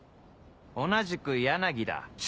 同じく柳だ。